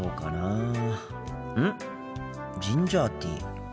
ジンジャーティー。